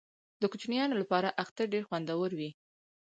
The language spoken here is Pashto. د کوچنیانو لپاره اختر ډیر خوندور وي.